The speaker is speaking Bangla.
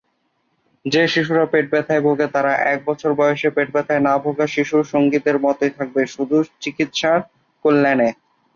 যে শিশুরা পেটব্যথায় ভোগে তারা এক বছর বয়সে পেটব্যথায় না-ভোগা শিশু সঙ্গীদের মতোই থাকবে শুধু চিকিৎসার কল্যাণে।